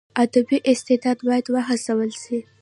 ادبي استعداد باید وهڅول سي.